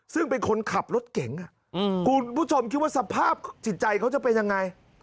ซึ่งเป็นคนขับรถเก่งคุณผู้ชมคิดว่าสภาพจิตใจเขาจะเป็นยังไง